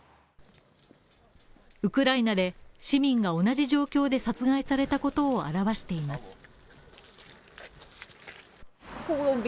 ウクライナで市民が同じ状況で殺害されたことを表しています。